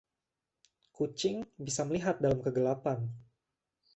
Kucing bisa melihat dalam kegelapan.